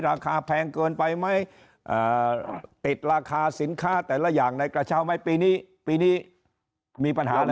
ราคาแพงเกินไปไหมปิดราคาสินค้าแต่ละอย่างในกระเช้าไหม